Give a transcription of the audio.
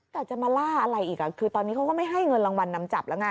แต่จะมาล่าอะไรอีกคือตอนนี้เขาก็ไม่ให้เงินรางวัลนำจับแล้วไง